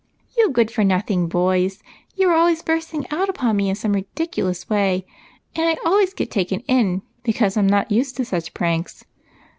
"You good for nothing boys! You are always bursting out upon me in some ridiculous way, and I always get taken in because I'm not used to such pranks.